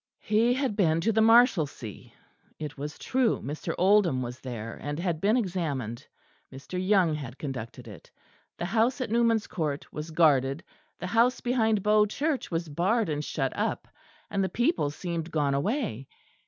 He had been to the Marshalsea; it was true Mr. Oldham was there, and had been examined. Mr. Young had conducted it. The house at Newman's Court was guarded: the house behind Bow Church was barred and shut up, and the people seemed gone away.